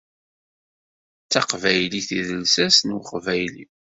D taqbaylit i d lsas n weqbayli.